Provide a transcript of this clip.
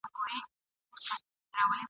د رویبار لاري سوې بندي زېری نه راځي جانانه !.